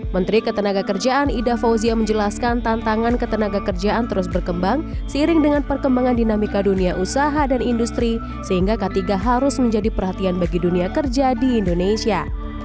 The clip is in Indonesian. menteri ketenaga kerjaan ida fauzia menjelaskan tantangan ketenaga kerjaan terus berkembang seiring dengan perkembangan dinamika dunia usaha dan industri sehingga k tiga harus menjadi perhatian bagi dunia kerja di indonesia